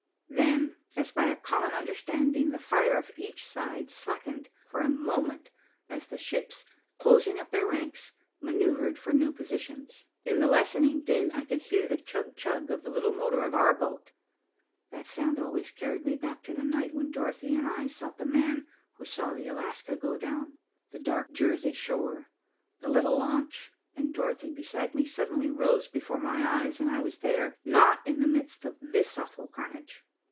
Then, as by a common understanding, the fire of each side slackened for a moment as the ships, closing up their ranks, maneuvered for new positions. In the lessening din, I could hear the chug chug of the little motor of our boat. That sound always carried me back to the night when Dorothy and I sought the man who saw the Alaska go down. The dark Jersey shore, the little launch, and Dorothy beside me suddenly rose before my eyes, and I was there, and not in the midst of this awful carnage.